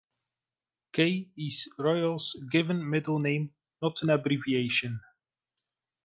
"K" is Royal's given middle name, not an abbreviation.